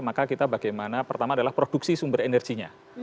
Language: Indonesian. maka kita bagaimana pertama adalah produksi sumber energinya